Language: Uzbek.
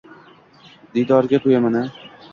Diydoriga to'yayin-a.